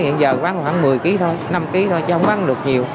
hiện giờ bán khoảng một mươi kg thôi năm kg thôi chứ không bán được nhiều